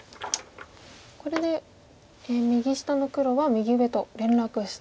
これで右下の黒は右上と連絡したんですね。